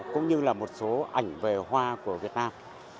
cũng như là một số ảnh về hoa của việt nam